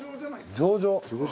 上々。